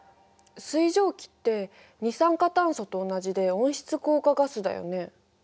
水蒸気って二酸化炭素と同じで温室効果ガスだよね。